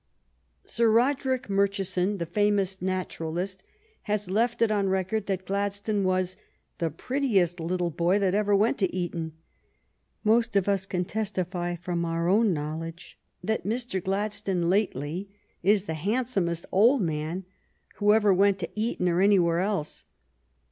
Sir Roderick Murchison, the famous naturalist, has left it on record that Gladstone was the prettiest little boy that ever went to Eton." Most of us can testify from our own knowledge that Mr. Gladstone lately is the handsomest old man who ever went to Eton or anywhere else.